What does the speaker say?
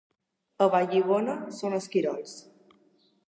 A Vallibona són esquirols.